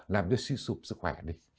làm cho suy sụp sức khỏe đi